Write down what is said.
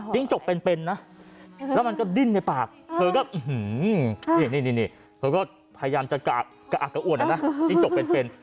จกเป็นนะแล้วมันก็ดิ้นในปากเธอก็นี่เธอก็พยายามจะกะอักกะอวนนะนะจิ้งจกเป็น